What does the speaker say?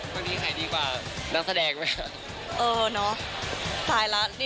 ตอนนี้ขายดีกว่านักแสดงมั้ยคะ